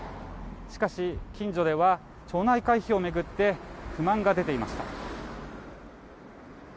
しかし、近所では町内会費を巡って不満が出ていました。